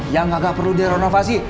yang gak perlu direnovasi